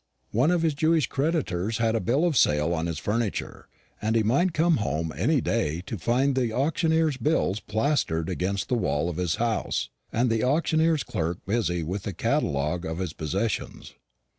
One of his Jewish creditors had a bill of sale on his furniture, and he might come home any day to find the auctioneer's bills plastered against the wall of his house, and the auctioneer's clerk busy with the catalogue of his possessions.